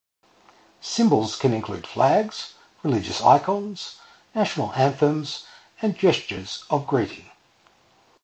Symbols can include flags, religious icons, national anthems, and gestures of greeting.